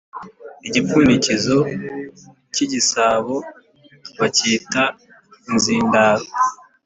Igipfundikizo k’igisabo bacyita inzindaro